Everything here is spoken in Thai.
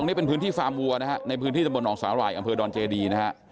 ในพื้นที่จำนวนออกสหร่ายอำเภอดรเจดี